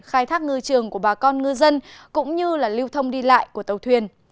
khai thác ngư trường của bà con ngư dân cũng như lưu thông đi lại của tàu thuyền